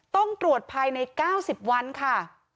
ต้องตรวจภายใน๙๐วันค่ะ